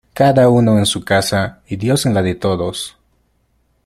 Cada uno en su casa, y Dios en la de todos.